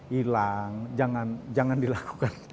hilang jangan dilakukan